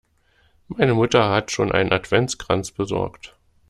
Meine Mutter hat schon einen Adventskranz besorgt.